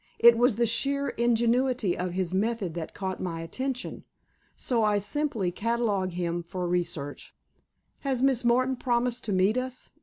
It was the sheer ingenuity of his method that caught my attention. So I simply catalogue him for research." "Has Miss Martin promised to meet us?"